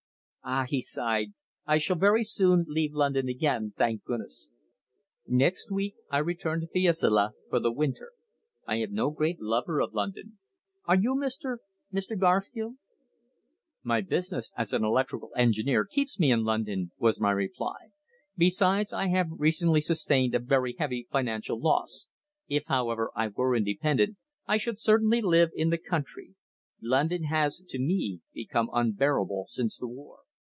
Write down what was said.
"Ah!" he sighed. "I shall very soon leave London again thank goodness! Next week I return to Fiesole for the winter. I am no great lover of London are you, Mr. Mr. Garfield?" "My business as an electrical engineer keeps me in London," was my reply. "Besides, I have recently sustained a very heavy financial loss. If, however, I were independent I should certainly live in the country. London has, to me, become unbearable since the war."